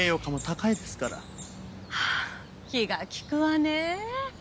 ああ気が利くわねえ。